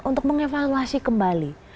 untuk mengevaluasi kembali